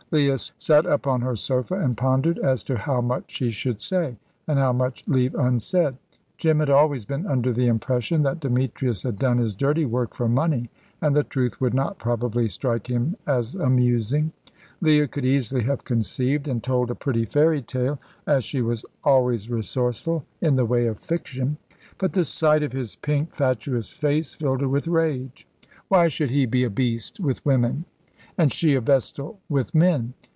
Leah sat up on her sofa and pondered as to how much she should say and how much leave unsaid. Jim had always been under the impression that Demetrius had done his dirty work for money, and the truth would not probably strike him as amusing. Leah could easily have conceived and told a pretty fairy tale, as she was always resourceful in the way of fiction; but the sight of his pink, fatuous face filled her with rage. Why should he be a beast with women, and she a vestal with men?